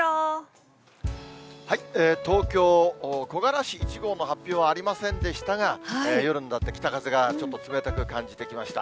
東京、木枯らし１号の発表はありませんでしたが、夜になって北風がちょっと冷たく感じてきました。